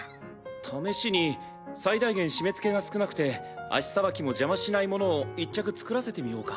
試しに最大限締めつけが少なくて足さばきも邪魔しないものを１着作らせてみようか。